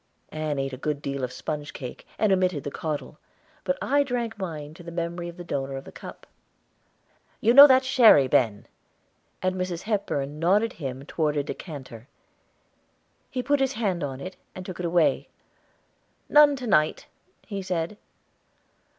Ann ate a good deal of sponge cake, and omitted the caudle, but I drank mine to the memory of the donor of the cup. "You know that sherry, Ben," and Mrs. Hepburn nodded him toward a decanter. He put his hand on it, and took it away. "None to night," he said.